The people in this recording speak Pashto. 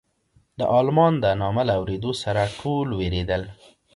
د المان د نامه له اورېدو سره ټول وېرېدل.